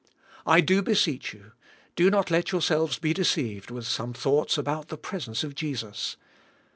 I do beseech you, do not let yourselves be deceived with some thoughts about the presence of Jesus.